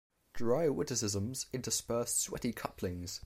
Dry witticisms intersperse sweaty couplings.